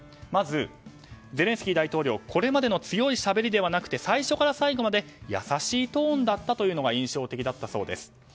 まず、ゼレンスキー大統領これまでの強いしゃべりではなくて最初から最後まで優しいトーンだったのが印象的だったそうです。